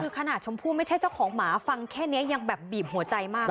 คือขนาดชมพู่ไม่ใช่เจ้าของหมาฟังแค่นี้ยังแบบบีบหัวใจมาก